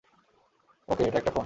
ওকে, এটা একটা ফোন!